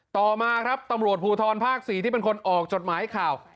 ต่อมาครับตำรวจภูทรภาค๔ที่เป็นคนออกจดหมายข่าว